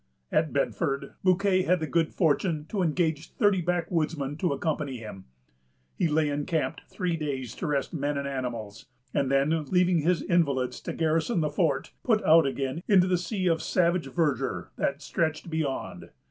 At Bedford, Bouquet had the good fortune to engage thirty backwoodsmen to accompany him. He lay encamped three days to rest men and animals, and then, leaving his invalids to garrison the fort, put out again into the sea of savage verdure that stretched beyond.